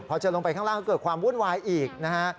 พอเจอลงไปข้างล่างก็เกิดความวุ่นวายอีกนะฮะ